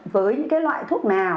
với những loại thuốc nào